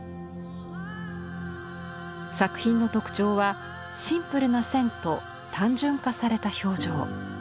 作品の特徴はシンプルな線と単純化された表情。